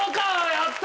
やった！